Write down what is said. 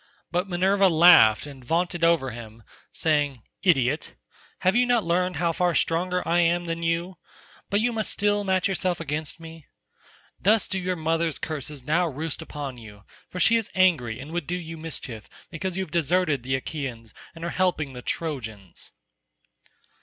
But Minerva laughed and vaunted over him saying, "Idiot, have you not learned how far stronger I am than you, but you must still match yourself against me? Thus do your mother's curses now roost upon you, for she is angry and would do you mischief because you have deserted the Achaeans and are helping the Trojans."